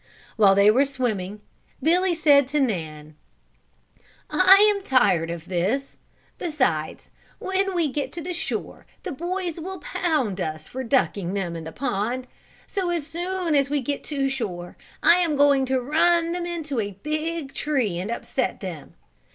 While they were swimming, Billy said to Nan: "I am tired of this, beside when we get to shore the boys will pound us for ducking them in the pond, so as soon as we get to shore I am going to run them into a big tree and upset them.